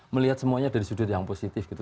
melihat semuanya dari sudut yang positif gitu